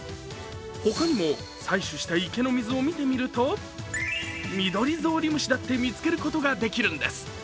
ほかにも採取した池の水を見てみるとミドリゾウリムシだって見つけることができるんです。